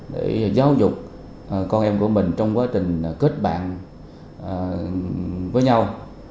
để giáo dục con em của mình trong quá trình kết bạn với nhau